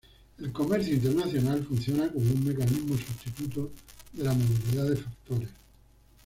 El comercio internacional funciona como un mecanismo sustituto de la movilidad de factores.